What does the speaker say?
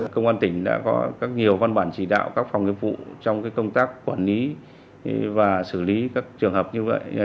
công an tỉnh đã có các nhiều văn bản chỉ đạo các phòng nghiệp vụ trong công tác quản lý và xử lý các trường hợp như vậy